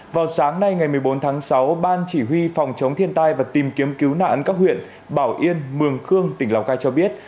vào sáng nay ngày một mươi bốn tháng sáu ban chỉ huy phòng chống thiên tai và tìm kiếm cứu nạn các huyện bảo yên mường khương tỉnh lào cai cho biết